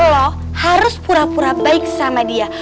loh harus pura pura baik sama dia